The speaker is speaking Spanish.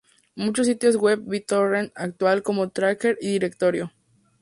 Muchos sitios web BitTorrent actúan como tracker y directorio.